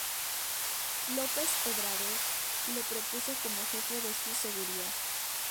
López Obrador, lo propuso como jefe de su seguridad.